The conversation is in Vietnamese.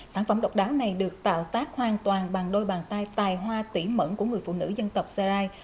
sản phẩm độc đáo này được tạo tác hoàn toàn bằng đôi bàn tay tài hoa tỉ mẩn của người phụ nữ dân tộc sarai